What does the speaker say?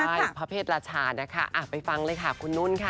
ใช่พระเพศราชานะคะไปฟังเลยค่ะคุณนุ่นค่ะ